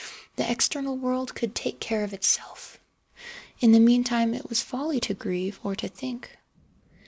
The external world could take care of itself. In the meantime it was folly to grieve, or to think.